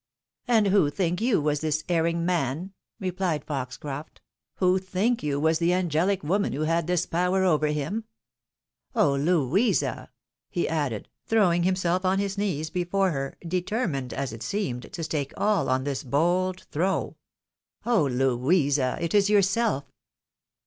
," And who, think you, was this erring man? " replied Fox • croft ;" who think you was the angeho woman who had this power over him ? Oh ! Louisa !" he added, throwing himself on his knees before her, determined, as it seemed, to stake all on this bold throw, "oh! Louisa! it is yourself!